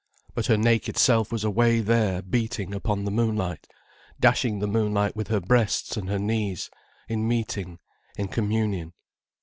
But her naked self was away there beating upon the moonlight, dashing the moonlight with her breasts and her knees, in meeting, in communion.